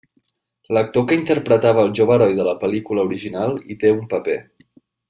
L'actor que interpretava el jove heroi de la pel·lícula original hi té un paper.